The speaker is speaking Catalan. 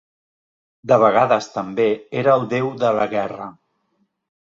De vegades també era el déu de la guerra.